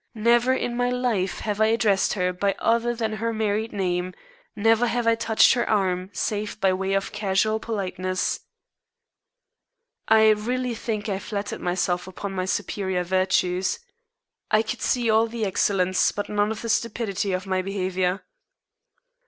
Never in my life have I addressed her by other than her married name, never have I touched her arm save by way of casual politeness. I really think I flattered myself upon my superior virtues. I could see all the excellence but none of the stupidity of my behavior.